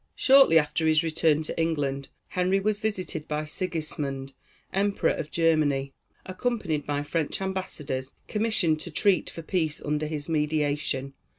] Shortly after his return to England, Henry was visited by Sigismund, Emperor of Germany, accompanied by French ambassadors commissioned to treat for peace under his mediation.